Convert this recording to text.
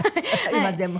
今でも？